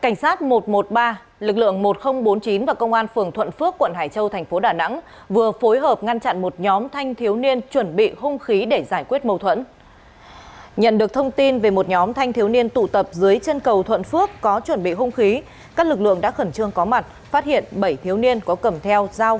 hãy đăng ký kênh để ủng hộ kênh của chúng mình nhé